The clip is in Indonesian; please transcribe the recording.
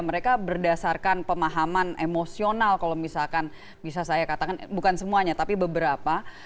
mereka berdasarkan pemahaman emosional kalau misalkan bisa saya katakan bukan semuanya tapi beberapa